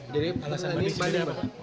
jadi alasan banding ini apa